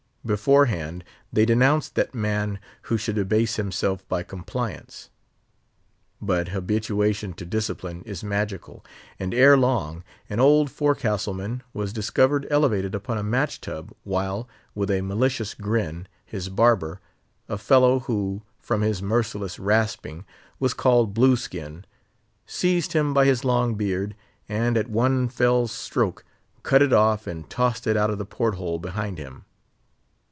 Beforehand, they denounced that man who should abase himself by compliance. But habituation to discipline is magical; and ere long an old forecastle man was discovered elevated upon a match tub, while, with a malicious grin, his barber—a fellow who, from his merciless rasping, was called Blue Skin—seized him by his long beard, and at one fell stroke cut it off and tossed it out of the port hole behind him.